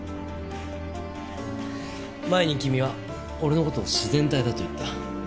前に君は俺の事を自然体だと言った。